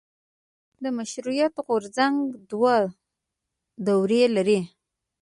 د مشروطیت غورځنګ دوه دورې لري.